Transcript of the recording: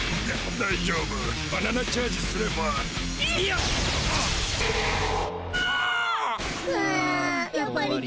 大丈夫か？